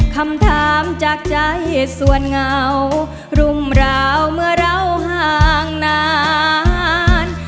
คำถามจากใจส่วนเหงารุมราวเมื่อเราห่างนาน